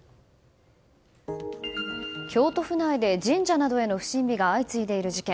京都府内で神社などへの不審火が相次いでいる事件。